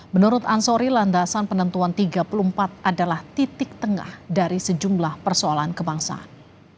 menurut ansori landasan penentuan tiga puluh empat adalah titik tengah dari sejumlah persoalan kebangsaan